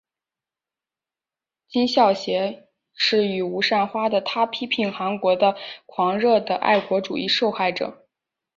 金完燮是与吴善花的他批评韩国的狂热的爱国主义受害者。